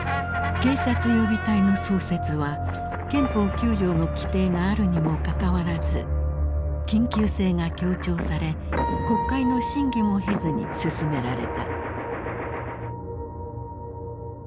警察予備隊の創設は憲法９条の規定があるにもかかわらず緊急性が強調され国会の審議も経ずに進められた。